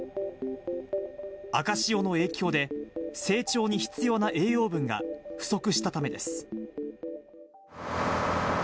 赤潮の影響で、成長に必要な栄養分が不足したためです。